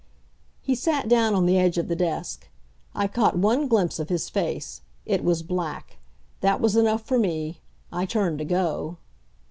He sat down on the edge of the desk. I caught one glimpse of his face. It was black; that was enough for me. I turned to go.